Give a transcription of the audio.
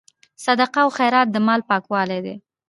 صدقه او خیرات د مال پاکوالی دی.